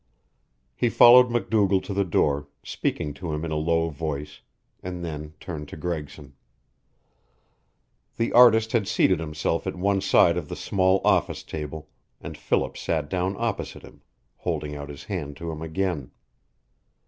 He followed MacDougall to the door, speaking to him in a low voice, and then turned to Gregson. The artist had seated himself at one side of the small office table, and Philip sat down opposite him, holding out his hand to him again.